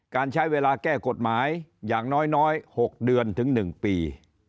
การใช้เวลาแก้กฎหมายอย่างน้อย๖เดือนถึง๑ปี